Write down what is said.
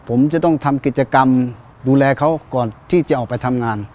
ผมจะต้องทำกิจกรรมดูแลเขาก่อนที่จะออกไปทำงาน